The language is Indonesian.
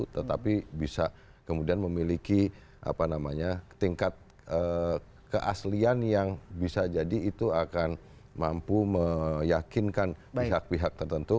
tetapi bisa kemudian memiliki tingkat keaslian yang bisa jadi itu akan mampu meyakinkan pihak pihak tertentu